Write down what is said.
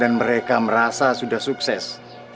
dan mereka merasa sudah sukses